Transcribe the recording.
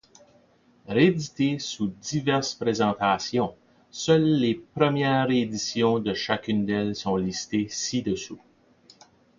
Réédité sous diverses présentations, seules les premières rééditions de chacune d’elles sont listées ci-dessous.